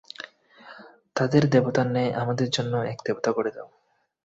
তাদের দেবতার ন্যায় আমাদের জন্যেও এক দেবতা গড়ে দাও।